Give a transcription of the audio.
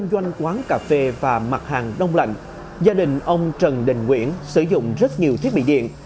doanh quán cà phê và mặt hàng đông lạnh gia đình ông trần đình nguyễn sử dụng rất nhiều thiết bị điện